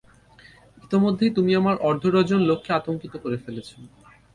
ইতোমধ্যেই তুমি আমার অর্ধডজন লোককে আতংকিত করে ফেলেছ!